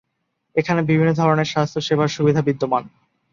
এখানে বিভিন্ন ধরনের স্বাস্থ্য সেবার সুবিধা বিদ্যমান।